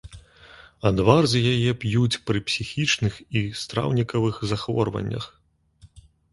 Адвар з яе п'юць пры псіхічных і страўнікавых захворваннях.